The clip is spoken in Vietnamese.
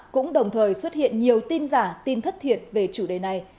cũng đồng thời xuất hiện nhiều tin giả tin thất thiệt về chủ đề này